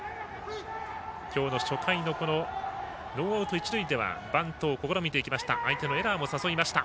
きょうの初回のノーアウト、一塁ではバントを試みていきました。